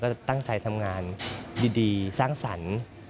จะตั้งใจทำงานดีสร้างสรรค์